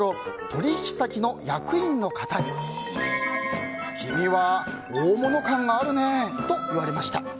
取引先の役員の方に君は大物感があるねぇと言われました。